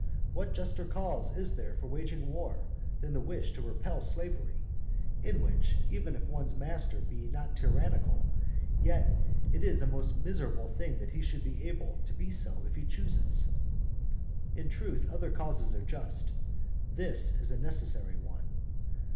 What juster cause is there for waging war than the wish to repel slavery? in which, even if one's master be not tyrannical, yet it is a most miserable thing that he should be able to be so if he chooses. In truth, other causes are just, this is a necessary one.